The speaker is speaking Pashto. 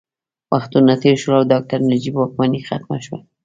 وختونه تېر شول او ډاکټر نجیب واکمني ختمه شوه